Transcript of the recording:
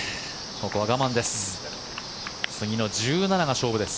ここは我慢です。